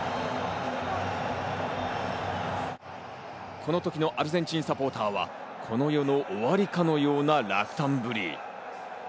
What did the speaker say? この時のアルゼンチンサポーターはこの世の終わりかのような落胆ぶり。